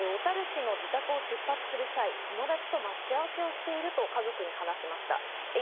まず瀬川さんは小樽市の自宅を出発する際、友達と待ち合わせをしていると家族に話しました。